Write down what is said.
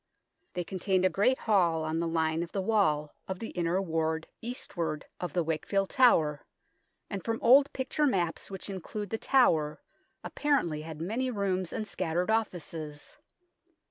They contained a Great Hall on the line of the wall of the Inner Ward eastward of the Wakefield Tower, and from old picture maps which include The Tower apparently had many rooms and scattered offices.